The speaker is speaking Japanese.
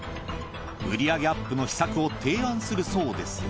売り上げアップの秘策を提案するそうですが。